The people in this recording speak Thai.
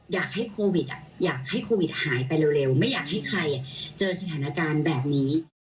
อยากให้โควิดอยากให้โควิดหายไปเร็วไม่อยากให้ใครเจอสถานการณ์แบบนี้